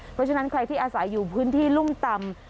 เพราะฉะนั้นใครที่อาศัยอยู่พื้นที่รุ่มต่ำ